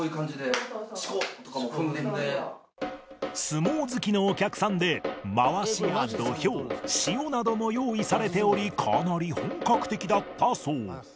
相撲好きのお客さんでまわしや土俵塩なども用意されておりかなり本格的だったそう